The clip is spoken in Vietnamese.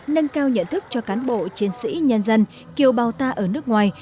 nâng cao nhận thức cho cán bộ chiến sĩ nhân dân kiều bào ta ở nước ngoài